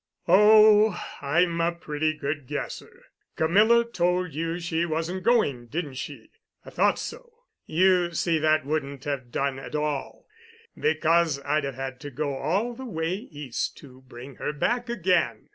"Oh, I'm a pretty good guesser. Camilla told you she wasn't going, didn't she? I thought so. You see, that wouldn't have done at all, because I'd have had to go all the way East to bring her back again.